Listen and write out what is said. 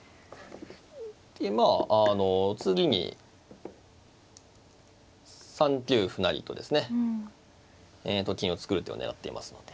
でまあ次に３九歩成とですねと金を作る手を狙っていますので。